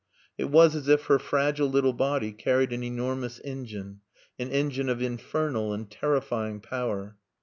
It was as if her fragile little body carried an enormous engine, an engine of infernal and terrifying power.